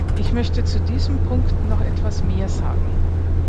Ich möchte zu diesem Punkt noch etwas mehr sagen.